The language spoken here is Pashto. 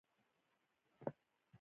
ويې ويل: خو په ګارد کې مې دا خپل کمال و.